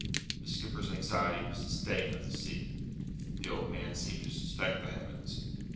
The skipper's anxiety was the state of the sea; the old man seemed to suspect the heavens.